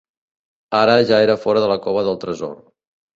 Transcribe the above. Ara ja era fora de la cova del tresor.